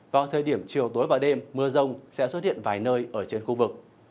vào thời điểm chiều tối và đêm mưa rông sẽ xuất hiện vài nơi ở trên khu vực